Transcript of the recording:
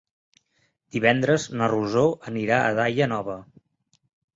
Divendres na Rosó anirà a Daia Nova.